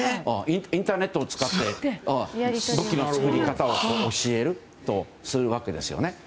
インターネットを使って武器の作り方を教えるわけです。